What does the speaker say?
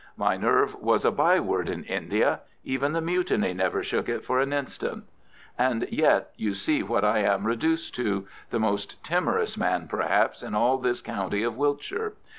My nerve was a by word in India. Even the Mutiny never shook it for an instant. And yet you see what I am reduced to—the most timorous man, perhaps, in all this county of Wiltshire.